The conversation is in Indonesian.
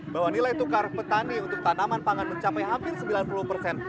bahwa nilai tukar petani untuk tanaman pangan mencapai hampir sembilan puluh persen